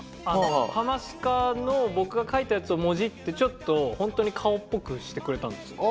「ハマスカ」の僕が描いたやつをもじってちょっと本当に顔っぽくしてくれたんです。